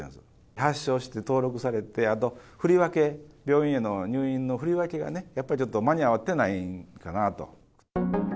発症して登録されて、あと振り分け、病院への入院の振り分けがね、やっぱりちょっと間に合ってないんかなと。